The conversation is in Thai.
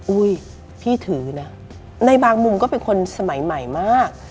อุ้ยพี่ถือนะในบางมุมก็เป็นคนสมัยใหม่มาก